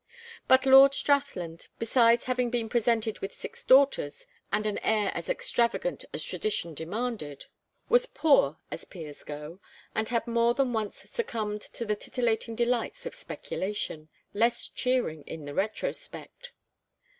But Lord Strathland, besides having been presented with six daughters and an heir as extravagant as tradition demanded, was poor as peers go, and had more than once succumbed to the titillating delights of speculation, less cheering in the retrospect.